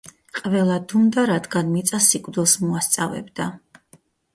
ყველა დუმდა, რადგან მიწა სიკვდილს მოასწავებდა.